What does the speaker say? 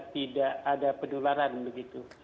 tidak ada penularan begitu